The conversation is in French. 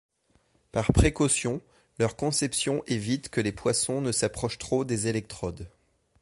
Par précaution, leur conception évite que les poissons ne s'approchent trop des électrodes.